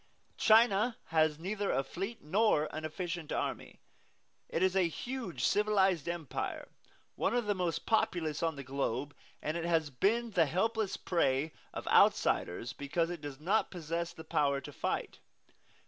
China has neither a fleet nor an efficient army. It is a huge civilized empire, one of the most populous on the globe; and it has been the helpless prey of outsiders because it does not possess the power to fight.